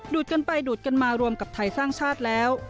ดกันไปดูดกันมารวมกับไทยสร้างชาติแล้ว